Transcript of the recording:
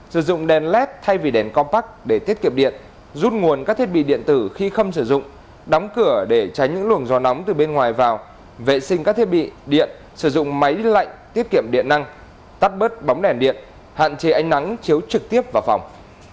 sử dụng đèn led thay vì đèn compact để tiết kiệm điện rút nguồn các thiết bị điện tử khi không sử dụng đóng cửa để tránh những luồng gió nóng từ bên ngoài vào vệ sinh các thiết bị điện sử dụng máy lạnh tiết kiệm điện năng tắt bớt bóng đèn điện hạn chế ánh nắng chiếu trực tiếp vào phòng